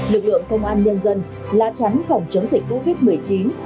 lực lượng công an nhân dân lá trắng phòng chống dịch covid một mươi chín